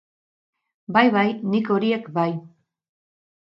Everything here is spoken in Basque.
Bai, bai, nik horiek bai.